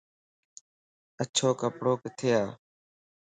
اچو ڪپڙو ڪٿي ا